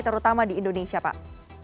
terutama di indonesia pak